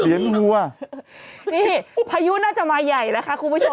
นี่พายุน่าจะมาใหญ่แล้วค่ะครูผู้ชม